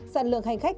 sản lượng hành khách